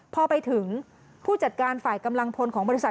พอไปถึงผู้จัดการฝ่ายกำลังพลของบริษัท